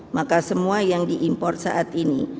maka semua yang diimport saat ini